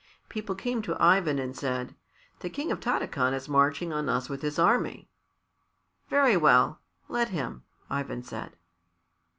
People came to Ivan and said, "The King of Tarakan is marching on us with his army." "Very well; let him," Ivan said.